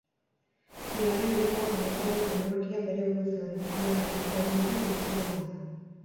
Bigarren mitoa mugikorren teknologia bere eboluzioaren mailarik gorenera iritsi dela da.